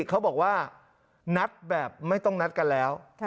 เขาบอกว่านัดแบบไม่ต้องนัดกันแล้ว